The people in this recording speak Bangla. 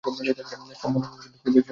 সম্মান সমাদর স্তুতিবাদের সীমা রহিল না।